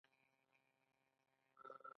دوی د پاکې انرژۍ هڅه کوي.